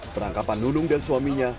penangkapan nunung dan suaminya